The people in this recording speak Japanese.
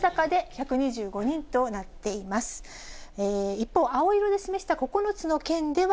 一方、青色で示した９つの県では。